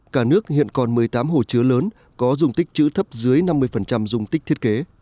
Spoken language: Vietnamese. cả nước hiện còn một mươi tám hồ chứa lớn có dùng tích chữ thấp dưới năm mươi dung tích thiết kế